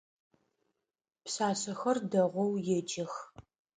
Пшъашъэхэр дэгъоу еджэх.